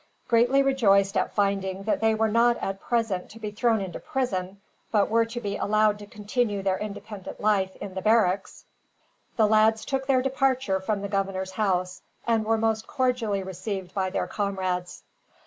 Greatly rejoiced at finding that they were not, at present, to be thrown into prison; but were to be allowed to continue their independent life, in the barracks; the lads took their departure from the governor's house, and were most cordially received by their comrades.